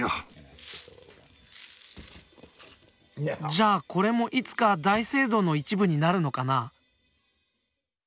じゃあこれもいつか大聖堂の一部になるのかな。